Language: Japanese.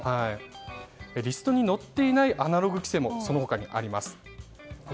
リストに載っていないアナログ規制も他にあります。